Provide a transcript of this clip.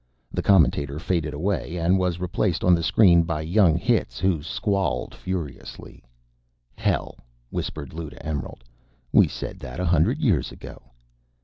The commentator faded, and was replaced on the screen by young Hitz, who squalled furiously. "Hell!" whispered Lou to Emerald. "We said that a hundred years ago."